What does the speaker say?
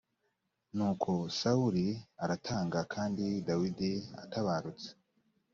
nuko sawuli aratanga kandi dawidi atabarutse